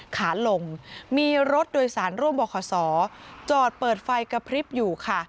ขาลงมีรถโดยสารร่วมบขจอดเปิดไฟกระพริบอยู่ค่ะ